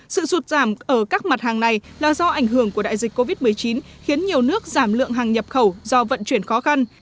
sự sụt giảm ở các mặt hàng này là do ảnh hưởng của đại dịch covid một mươi chín khiến nhiều nước giảm lượng hàng nhập khẩu do vận chuyển khó khăn